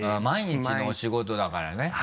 毎日のお仕事だからね。